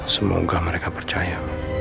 semoga mereka percaya